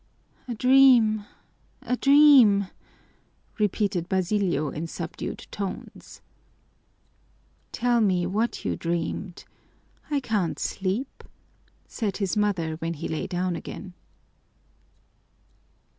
"A dream, a dream!" repeated Basilio in subdued tones. "Tell me what you dreamed. I can't sleep," said his mother when he lay down again.